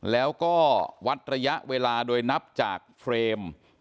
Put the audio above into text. แล้วก็วัดระยะเวลาโดยนับจากเฟรม